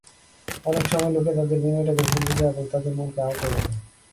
অনেক সময় লোকে তাঁদের বিনয়টাকে ভুল বোঝে এবং তাঁর মনকে আহত করে।